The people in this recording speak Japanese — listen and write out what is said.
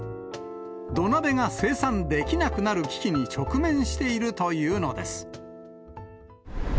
土鍋が生産できなくなる危機に直面しているというのです。